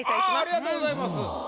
ありがとうございます。